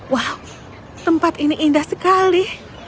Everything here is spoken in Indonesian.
wow tempat ini indah sekali